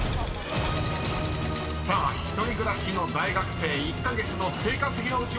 ［さあ一人暮らしの大学生１カ月の生活費のウチワケ］